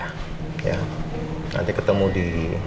nanti ketemu di